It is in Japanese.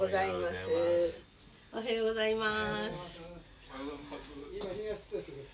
おはようございます。